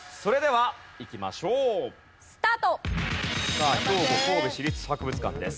さあ兵庫神戸市立博物館です。